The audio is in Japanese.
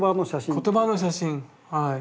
言葉の写真はい。